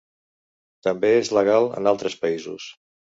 També és legal en altres països.